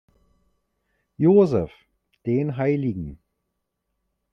Joseph, den hl.